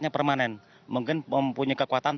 permanen mungkin mempunyai kekuatan